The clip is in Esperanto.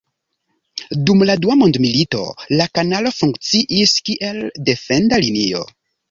Dum la dua mondmilito la kanalo funkciis kiel defenda linio.